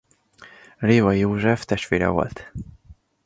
Révai József testvére volt.